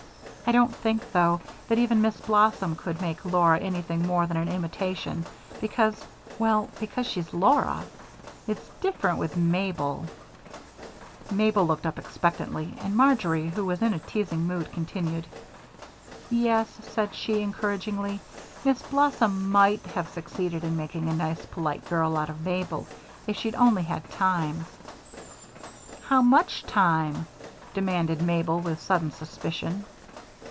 I don't think, though, that even Miss Blossom could make Laura anything more than an imitation, because well, because she's Laura. It's different with Mabel " Mabel looked up expectantly, and Marjory, who was in a teasing mood, continued. "Yes," said she, encouragingly, "Miss Blossom might have succeeded in making a nice, polite girl out of Mabel if she'd only had time " "How much time?" demanded Mabel, with sudden suspicion.